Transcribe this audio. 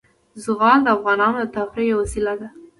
زغال د افغانانو د تفریح یوه وسیله ده.